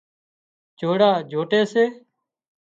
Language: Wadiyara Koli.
جوڙا جوٽي سي